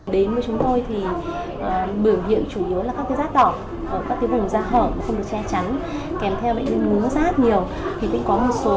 đến với chúng tôi thì biểu hiện chủ yếu là các cái rác đỏ các cái vùng da hở không được che chắn